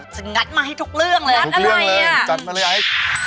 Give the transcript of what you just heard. จะงัดมาให้ทุกเรื่องเลยงัดอะไรเนี่ยจัดมาเลยไอฟ์งัดอะไรเนี่ย